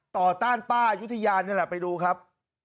ต่อต้านป้าอายุทธิยานี่แหละไปดูครับ